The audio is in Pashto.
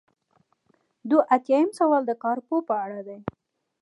دوه ایاتیام سوال د کارپوه په اړه دی.